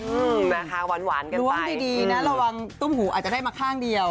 อืมนะคะหวานหวานกันต้องดีดีนะระวังตุ้มหูอาจจะได้มาข้างเดียว